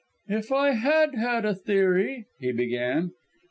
"If I had had a theory " he began.